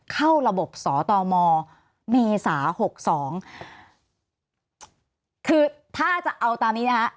เข้าระบบสตมเมษา๖๒คือถ้าจะเอาตามนี้นะคะ